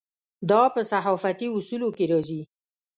دا په صحافتي اصولو کې راځي.